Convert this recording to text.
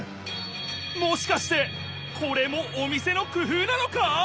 もしかしてこれもお店のくふうなのか！？